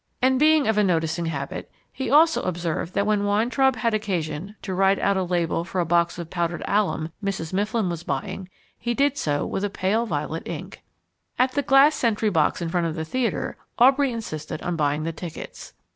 And being of a noticing habit, he also observed that when Weintraub had occasion to write out a label for a box of powdered alum Mrs. Mifflin was buying, he did so with a pale violet ink. At the glass sentry box in front of the theatre Aubrey insisted on buying the tickets.